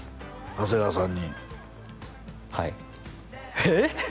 長谷川さんにはいえっ？